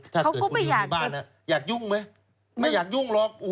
ถ้าเกิดคุณนิ้วอยู่บ้านอยากยุ่งไหมไม่อยากยุ่งหรอกคุณมาก